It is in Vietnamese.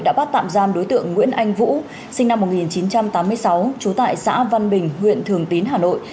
đã bắt tạm giam đối tượng nguyễn anh vũ sinh năm một nghìn chín trăm tám mươi sáu trú tại xã văn bình huyện thường tín hà nội